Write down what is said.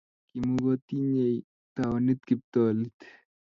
Kimukotinyei taonit kiptolit